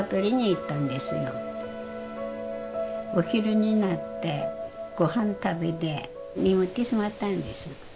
お昼になってご飯食べて眠ってしまったんです。